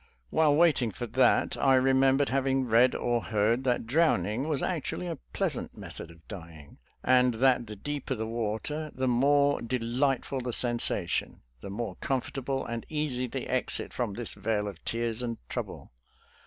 While waiting for that, I remembered having read or heard that drowning was actually a pleasant method of dy ing, and that the deeper the water the more de lightful the sensation, the more comfortable and easy the exit from this vale of tears and trouble.